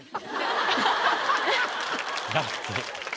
「だって」。